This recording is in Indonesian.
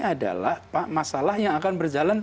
adalah masalah yang akan berjalan